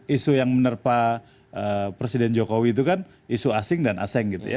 isu yang menerpa presiden jokowi itu kan isu asing dan aseng gitu ya